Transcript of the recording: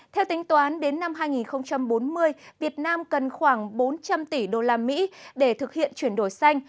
theo tính toán đến năm hai nghìn bốn mươi việt nam cần khoảng bốn trăm linh tỷ usd để thực hiện chuyển đổi xanh